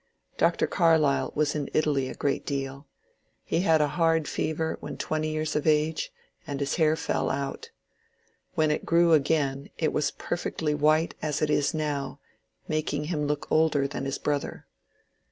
Dr. Carlyle was in Italy a great deal He had a hard fever when twenty years of age and his hair fell out. When it grew again it was perfectly white as it is now, mak ing him look older than his brother.